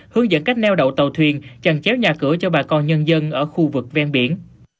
hướng dẫn cách neo đậu tàu thuyền chẳng chéo nhà cửa cho bà con nhân dân ở khu vực ven biển